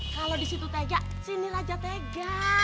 kalau di situ tega sini raja tega